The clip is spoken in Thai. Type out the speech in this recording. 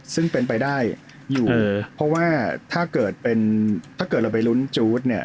ซึ่งเป็นไปได้อยู่เพราะว่าถ้าเกิดเป็นถ้าเกิดเราไปลุ้นจู๊ดเนี่ย